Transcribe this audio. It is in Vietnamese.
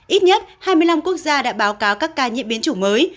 ít nhất hai mươi năm quốc gia đã báo cáo các ca nhiễm biến chủng mới